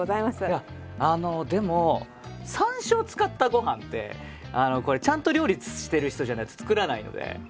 いやでも山椒を使ったご飯ってちゃんと料理してる人じゃないと作らないので。